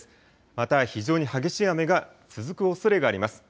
また非常に激しい雨が続くおそれがあります。